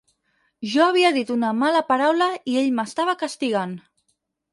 Jo havia dit una mala paraula i ell m'estava castigant.